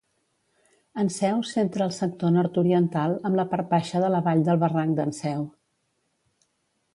Enseu centra el sector nord-oriental, amb la part baixa de la vall del Barranc d'Enseu.